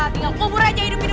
tinggal kubur aja hidup hidup